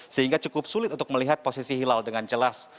sehingga cukup sulit untuk melihat posisi hilal dengan jelas